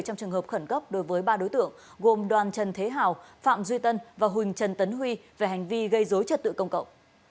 trong trường hợp khẩn cấp đối với ba đối tượng gồm đoàn trần thế hào phạm duy tân và huỳnh trần tấn huy về hành vi gây dối trật tự công cộng